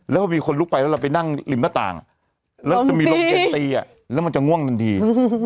แล้วพอมีคนลุกไปแล้วเราไปนั่งริมหน้าต่างแล้วจะมีลมเย็นตีแล้วมันจะง่วงทันที